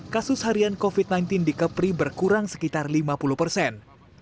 kasus harian covid sembilan belas di kepri berkurang sekitar lima puluh persen